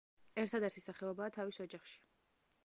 ერთადერთი სახეობაა თავის ოჯახში.